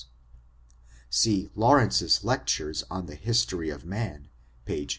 — See Lawrence^s LeC' tures on the History ojf Man, p. 350.